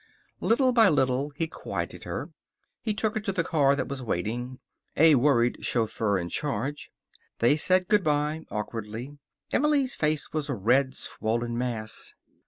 Little by little he quieted her. He took her to the car that was waiting, a worried chauffeur in charge. They said good by, awkwardly. Emily's face was a red, swollen mass.